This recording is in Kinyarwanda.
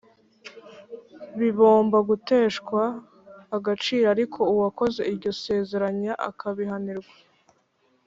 Bibomba guteshwa agaciro ariko uwakoze iryo sezeranya akabihanirwa